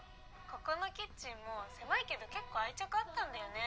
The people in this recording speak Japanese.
ここのキッチンも狭いけど結構愛着あったんだよね。